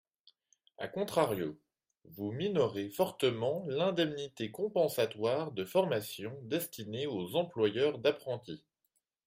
A contrario, vous minorez fortement l’indemnité compensatoire de formation destinée aux employeurs d’apprentis.